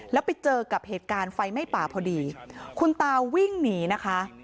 แล้วไปเจอกับเหตุการณ์ไฟไหม้ป่าพอดีคุณตาวิ่งหนีนะคะ